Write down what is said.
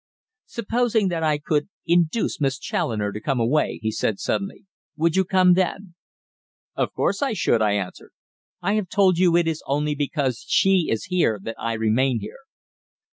"Supposing that I could induce Miss Challoner to come away," he said suddenly, "would you come then?" "Of course I should," I answered. "I have told you it is only because she is here that I remain here."